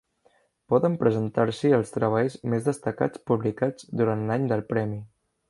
Poden presentar-s'hi els treballs més destacats publicats durant l'any del premi.